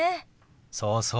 そうそう。